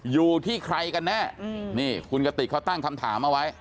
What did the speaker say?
อยู่ที่ใครกันแน่นี่คุณกติกเขาตั้งคำถามเอาไว้